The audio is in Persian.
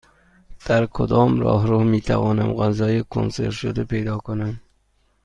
در کدام راهرو می توانم غذای کنسرو شده پیدا کنم؟